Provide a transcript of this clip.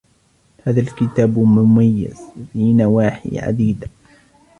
هذا الكتاب مميز في نواحي عديدة